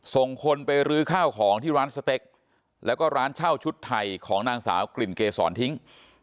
ส่งคนไปรื้อข้าวของที่ร้านสเต็กแล้วก็ร้านเช่าชุดไทยของนางสาวกลิ่นเกษรทิ้ง